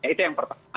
itu yang pertama